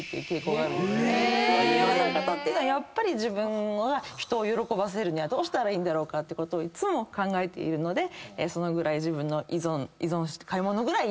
そういうような方っていうのは自分は人を喜ばせるにはどうしたらいいんだろうかっていつも考えているのでそのぐらい自分の依存。